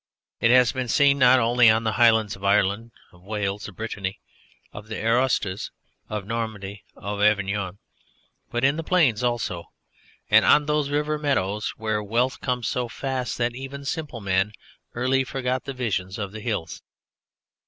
It has been seen not only on the highlands of Ireland, of Wales, of Brittany, of the Asturias, of Normandy, and of Auvergne, but in the plains also, and on those river meadows where wealth comes so fast that even simple men early forget the visions of the hills.